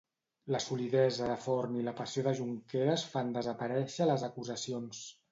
La solidesa de Forn i la passió de Junqueras fan desaparèixer les acusacions.